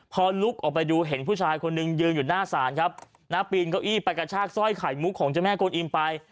พอลุกออกไปดูเห็นผู้ชายคนหนึ่งยืนอยู่หน้าศาลครับนะปีนเก้าอี้ไปกระชากสร้อยไข่มุกของเจ้าแม่กวนอิมไป